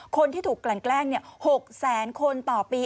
คนที่ถูกกลั่นแกล้ง๖แสนคนต่อปี